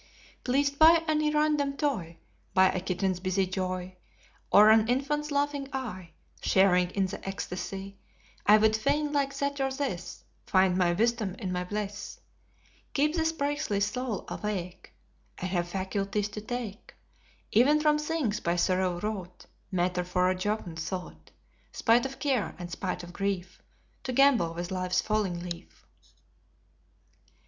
"Pleased by any random toy: By a kitten's busy joy, Or an infant's laughing eye Sharing in the ecstacy: I would fain like that or this Find my wisdom in my bliss: Keep the sprightly soul awake, And have faculties to take, Even from things by sorrow wrought, Matter for a jocund thought, Spite of care and spite of grief, To gambol with life's falling leaf."